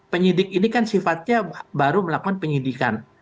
penyidik ini kan sifatnya baru melakukan penyidikan